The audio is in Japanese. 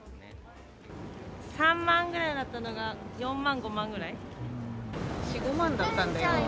３万ぐらいだったのが、４、５万だったんだよ。